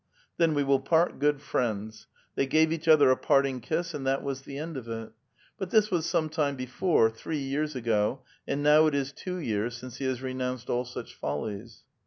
"Then we will part good friends?" They gave each other a parting kiss, and that was the end of it. But this was some time before, three years ago, and now it is two years since he has renounced all such follies.